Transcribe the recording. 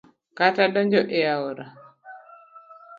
Kata donjo e aora